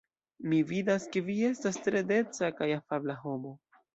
Mi vidas ke vi estas tre deca kaj afabla homo.